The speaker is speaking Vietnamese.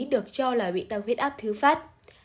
được cho là bị tăng huyết áp thứ phát